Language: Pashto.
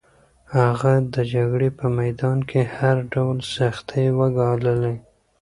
هغه د جګړې په میدان کې هر ډول سختۍ وګاللې.